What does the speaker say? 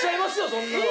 そんなの。